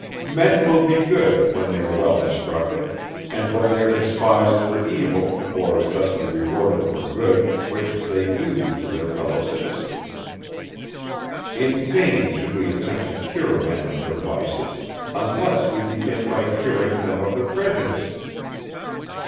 Men will be good, when they are well instructed; and when they are despised for evil, or justly rewarded for good, which they do to their fellow citizens. In vain should we attempt to cure men of their vices, unless we begin by curing them of their prejudices.